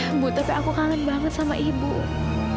ibu tapi aku kangen banget sama ibu om